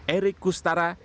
erik kustara bekasi